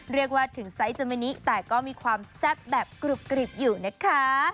เรียกว่าถึงไซส์จามินิแต่ก็มีความแซ่บแบบกรุบกริบอยู่นะคะ